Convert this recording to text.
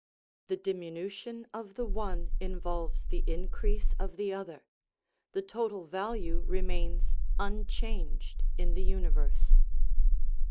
The diminution of the one involves the increase of the other ; the total value remains un changed in the universe."